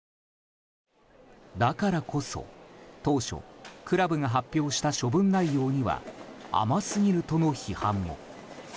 だからこそ、当初クラブが発表した処分内容には甘すぎるとの批判も。